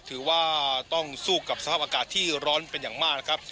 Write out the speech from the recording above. ถือว่าต้องสู้กับสภาพอากาศที่ร้อนเป็นอย่างมากนะครับ